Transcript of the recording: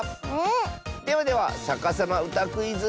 ではでは「さかさまうたクイズ」。